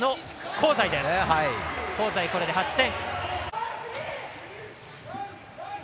香西、これで８点。